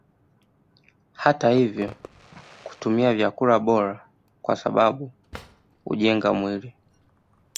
Hata ivyo kutumia vyakula bora kwasababu ujenga mwili